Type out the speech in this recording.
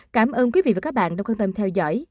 cảm ơn quý vị và các bạn đã quan tâm theo dõi